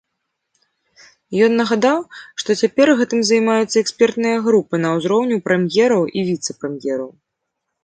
Ён нагадаў, што цяпер гэтым займаюцца экспертныя групы на ўзроўні прэм'ераў і віцэ-прэм'ераў.